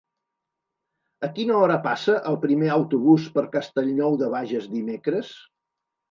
A quina hora passa el primer autobús per Castellnou de Bages dimecres?